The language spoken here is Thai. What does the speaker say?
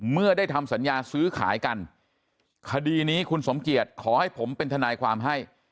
เมื่อได้ทำสัญญาซื้อขายกันคดีนี้คุณสมเกียจขอให้ผมเป็นทนายความให้